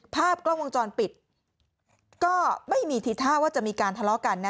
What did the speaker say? ภาพกล้องวงจรปิดก็ไม่มีทีท่าว่าจะมีการทะเลาะกันนะ